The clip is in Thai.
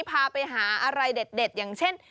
พาไปหาอะไรเด็ดอย่างเช่น